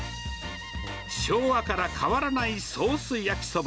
昭和から変わらないソース焼きそば。